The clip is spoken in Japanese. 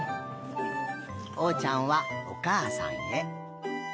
おうちゃんはおかあさんへ。